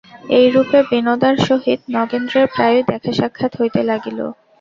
এইরূপে বিনোদার সহিত নগেন্দ্রের প্রায়ই দেখাসাক্ষাৎ হইতে লাগিল।